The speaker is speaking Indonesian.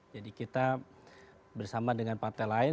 jadi kita bersama dengan partai lain